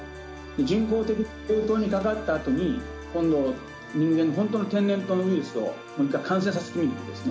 人工的に牛痘にかかったあとに、今度、人間、本当の天然痘のウイルスを感染させていくんですね。